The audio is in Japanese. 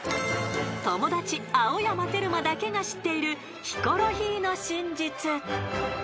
［友達青山テルマだけが知っているヒコロヒーの真実］